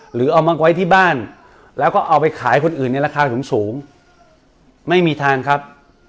หรือเอามาไว้ที่บ้านแล้วก็เอาไปขายคนอื่นในราคาสูงไม่มีทางครับ